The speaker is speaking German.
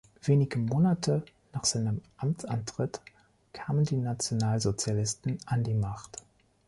Wenige Monate nach seinem Amtsantritt kamen die Nationalsozialisten an die Macht.